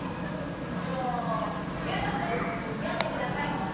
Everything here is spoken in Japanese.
じゃあゆうとくんよんでください。